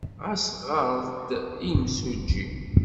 Ɣas ɣer-d i yemsujji.